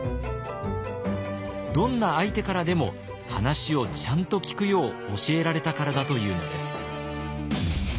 どんな相手からでも話をちゃんと聞くよう教えられたからだというのです。